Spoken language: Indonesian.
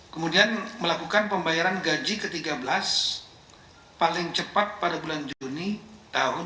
kemudian melakukan pembayaran gaji ke tiga belas paling cepat pada bulan juni tahun dua ribu dua puluh